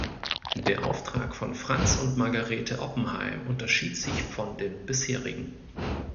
Der Auftrag von Franz und Margarete Oppenheim unterschied sich von den bisherigen.